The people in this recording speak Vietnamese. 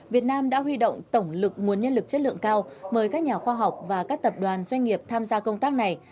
việt nam đã huy động tổng lực nguồn nhân lực chất lượng cao mời các nhà khoa học và các tập đoàn doanh nghiệp tham gia công tác này